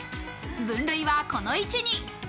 分類はこの位置に。